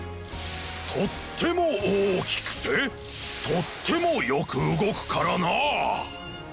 とってもおおきくてとってもよくうごくからな。